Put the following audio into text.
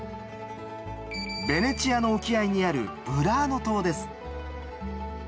ベネチアの沖合にあるブラーノ島です。